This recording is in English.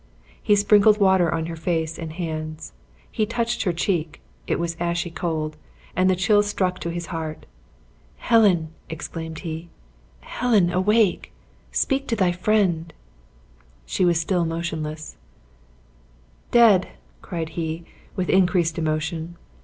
He sprinkled water on her face and hands; he touched her cheek; it was ashy cold, and the chill struck to his heart. "Helen!" exclaimed he; "Helen, awake! Speak to thy friend!" Still she was motionless. "Dead!" cried he, with increased emotion.